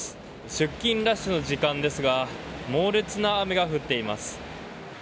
出勤ラッシュの時間ですが猛烈な雨が降っています。